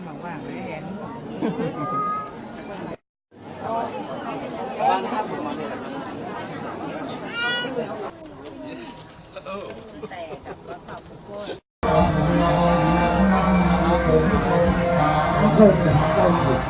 ประวัติแห่งแห่งแผงธรรมดาเซียประวัติแห่งแห่งพริก